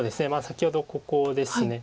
先ほどここですね。